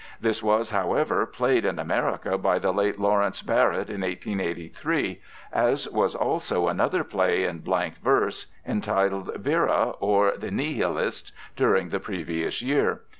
This was, however, played in America by the late Lawrence Barrett in 1883, as was also another play in blank verse, entitled Vera, or the Nihilists, during the previous year.